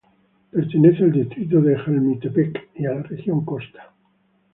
Pertenece al distrito de Jamiltepec y a la región Costa.